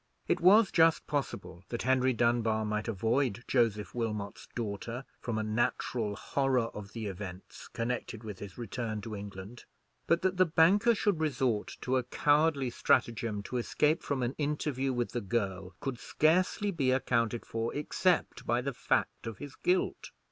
It was just possible that Henry Dunbar might avoid Joseph Wilmot's daughter from a natural horror of the events connected with his return to England; but that the banker should resort to a cowardly stratagem to escape from an interview with the girl could scarcely be accounted for, except by the fact of his guilt.